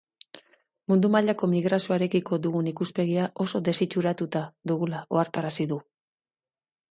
Mundu mailako migrazioarekiko dugun ikuspegia oso desitxuratuta dugula ohartarazi du.